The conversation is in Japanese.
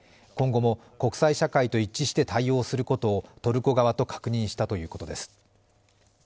今後も国際社会と一致して対応することをトルコ側と確認したということです。